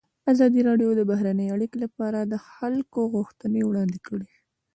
ازادي راډیو د بهرنۍ اړیکې لپاره د خلکو غوښتنې وړاندې کړي.